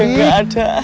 udah gak ada